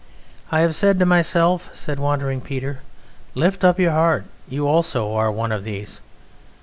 I have said to myself," said Wandering Peter, "lift up your heart; you also are one of these!